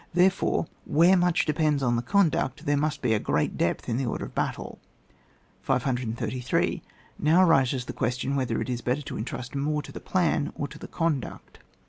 Therefore, where much depends on the conduct, there must be a great depth in the order of battle. 533. Now arises the question, whether it is better to entrust more to the plan or to the conduct.